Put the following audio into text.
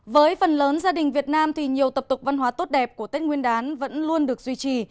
với phần lớn gia đình việt nam thì nhiều tập tục văn hóa tốt đẹp của tết nguyên đán vẫn luôn được duy trì